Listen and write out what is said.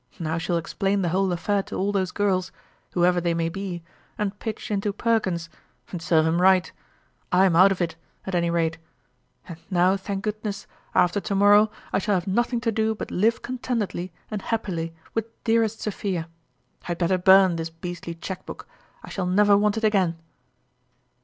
Now she'll ex plain the whole affair to all those girls (who ever they may be), and pitch into Perkins and serve him right ! Pm out of it, at any rate ; and now, thank goodness, after to morrow I shall have nothing to do but live contentedly and happily with dearest Sophia ! I'd better (Eljcque. 77 l)ii rn this beastly elieqne book I shall never want it ai^iin